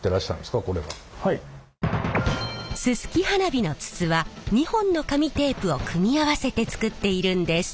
すすき花火の筒は２本の紙テープを組み合わせて作っているんです。